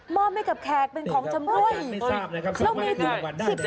มอบให้กับแขกเป็นของชำนวงเขามี๑๐โครง